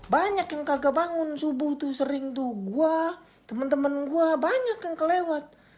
banyak yang kagak bangun subuh tuh sering tuh gua temen temen gue banyak yang kelewat